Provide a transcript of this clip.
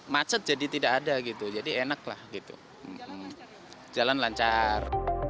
macet jadi tidak ada jadi enak jalan lancar